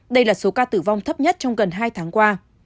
đây là số ca tử vong thấp nhất trong gần hai tháng qua